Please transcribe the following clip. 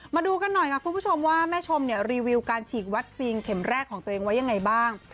มาดูกันหน่อยค่ะคุณผู้ชมว่าแม่ชมเนี่ยรีวิวการฉีดวัคซีนเข็มแรกของตัวเองไว้ยังไงบ้าง